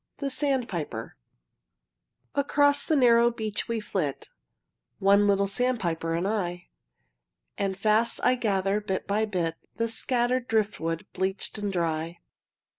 THE SANDPIPER Across the narrow beach we flit, One little sandpiper and I; And fast I gather, bit by bit, The scattered driftwood bleached and dry.